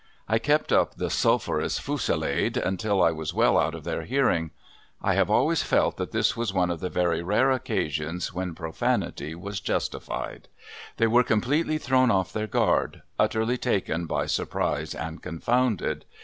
I kept up the sulphurous fusilade until I was well out of their hearing. I have always felt that this was one of the very rare occasions when profanity was justified. They were completely thrown off their guard utterly taken by surprise and confounded.